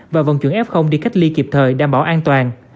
và vòng chuẩn f đi cách ly kịp thời đảm bảo an toàn